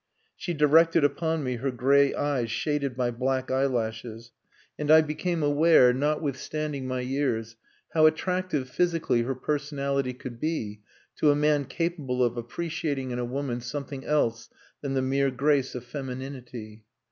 She directed upon me her grey eyes shaded by black eyelashes, and I became aware, notwithstanding my years, how attractive physically her personality could be to a man capable of appreciating in a woman something else than the mere grace of femininity.